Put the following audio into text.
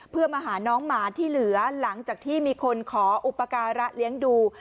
เพื่อมาหาน้องหมาที่เหลือหลังจากที่มีคนขออุปการะเลี้ยงดู